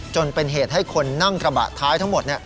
จนเป็นเหตุให้คนนั่งกระบะท้ายทั้งหมด